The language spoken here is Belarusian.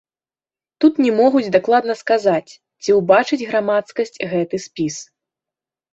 Тут не могуць дакладна сказаць, ці ўбачыць грамадскасць гэты спіс.